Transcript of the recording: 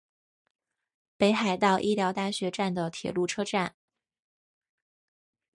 北海道医疗大学站的铁路车站。